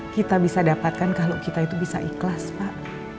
kita bisa dapatkan kalau kita itu bisa ikhlas pak